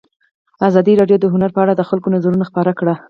ازادي راډیو د هنر په اړه د خلکو نظرونه خپاره کړي.